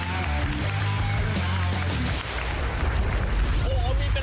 โอ้โหหยิงสูงดีกว่า